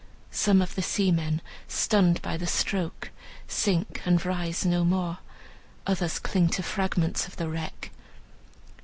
Some of the seamen, stunned by the stroke, sink, and rise no more; others cling to fragments of the wreck.